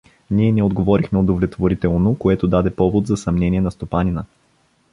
Ние не отговорихме удовлетворително, което даде повод за съмнение на стопанина.